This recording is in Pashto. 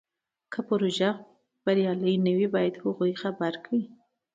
که پروژه بریالۍ نه وي باید هغوی خبر کړي.